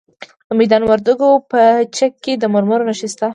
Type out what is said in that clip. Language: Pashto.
د میدان وردګو په چک کې د مرمرو نښې شته.